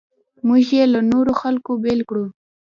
موږ یې له نورو خلکو بېل کړو.